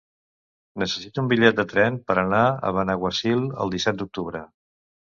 Necessito un bitllet de tren per anar a Benaguasil el disset d'octubre.